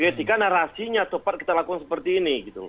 ketika narasinya tepat kita lakukan seperti ini